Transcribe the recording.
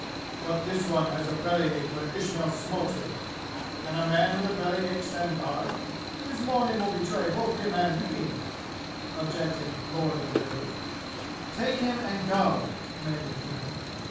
"But this one has a belly ache where Ismail smote him! Can a man with a belly ache stand guard? His moaning will betray both him and me!" objected "Lord of the Rivers." "Take him and go!" commanded King.